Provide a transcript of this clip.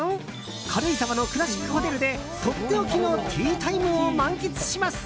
軽井沢のクラシックホテルでとっておきのティータイムを満喫します！